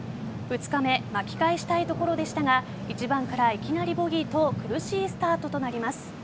２日目巻き返したいところでしたが１番からいきなりボギーと苦しいスタートとなります。